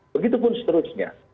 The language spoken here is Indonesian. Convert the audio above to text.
begitu pun seterusnya